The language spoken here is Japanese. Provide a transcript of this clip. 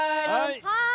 はい！